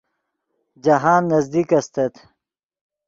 جاہند نزدیک استت